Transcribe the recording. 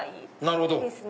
なるほど！